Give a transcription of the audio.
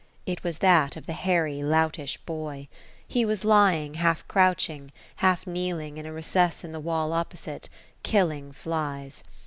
It was that of the hairy loutish boy. He was lying half crouching, half kneeling, in a recess in the wall opposite, killing flies.